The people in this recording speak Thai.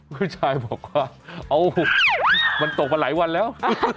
ผู้ชายบอกว่าเอามันตกมาหลายวันแล้ว